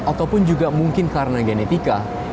ataupun juga mungkin karena genetika